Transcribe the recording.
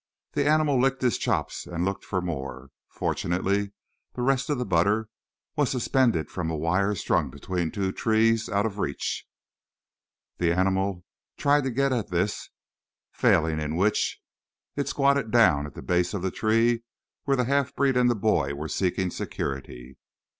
The animal licked his chops and looked for more. Fortunately the rest of the butter was suspend from a wire strung between two trees out of reach. The animal tried to get at this, failing in which it squatted down at the base of the tree where the half breed and the boy were seeking security.